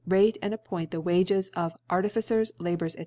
* rate and appoint the Wages of Artificers^ * L^urers, (^e.